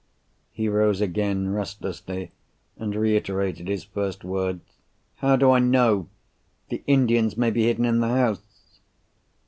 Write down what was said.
He rose again restlessly, and reiterated his first words. "How do I know? The Indians may be hidden in the house."